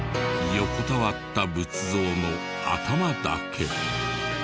横たわった仏像の頭だけ。